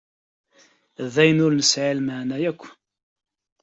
D ayen nesεi lmeεna yakk.